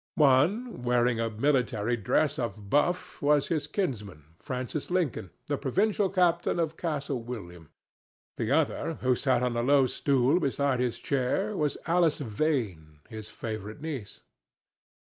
One, wearing a military dress of buff, was his kinsman, Francis Lincoln, the provincial captain of Castle William; the other, who sat on a low stool beside his chair, was Alice Vane, his favorite niece.